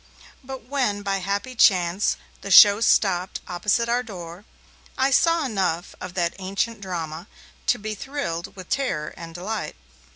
But when, by happy chance, the show stopped opposite our door, I saw enough of that ancient drama to be thrilled with terror and delight.